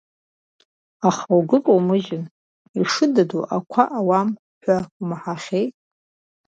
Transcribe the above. Аха угәы каумыжьын, ишыдыдуа қәа ауам ҳәа умаҳахьеи!